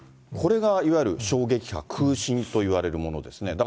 これがいわゆる衝撃波、空振といわれるものですね。